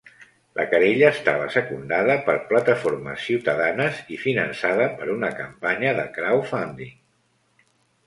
La querella estava secundada per plataformes ciutadanes i finançada per una campanya de crowdfunding.